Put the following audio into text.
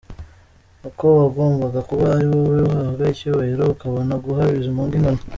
Ko wagombaga kuba ari wowe uhabwa icyubahiro ukabona guha Bizimungu inkoni?!